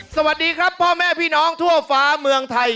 สวัสดีครับพ่อแม่พี่น้องทั่วฟ้าเมืองไทย